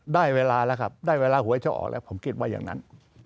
ได้เวลาหัวจะออกแล้วผมคิดว่าอย่างนั้น